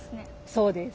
そうです。